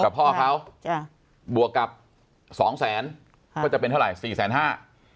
พ่อเขาจ้ะบวกกับสองแสนค่ะก็จะเป็นเท่าไหร่สี่แสนห้า